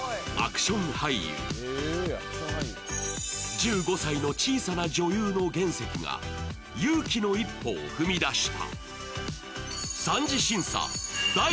１５歳の小さな女優の原石が勇気の一歩を踏み出した。